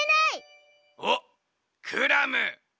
おっクラム。